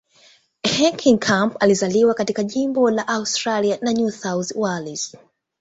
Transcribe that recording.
Heckenkamp alizaliwa katika jimbo la Australia la New South Wales.